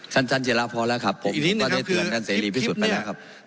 ท่านท่านจิระพอแล้วครับผมก็ได้เตือนท่านเสรีพิสุทธิ์ไปแล้วครับ